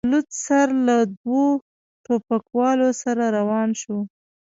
په لوڅ سر له دوو ټوپکوالو سره روان شو.